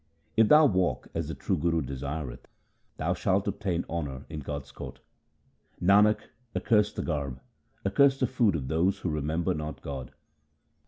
If thou walk as the true Guru desireth, thou shalt obtain honour in God's court. Nanak, accursed the garb, accursed the food of those who remember not God.